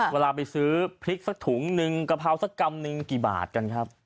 เวลาไปซื้อพริกหนึ่งกระเพราของขนาดสักกำหนึ่งกี่บาทกันครับ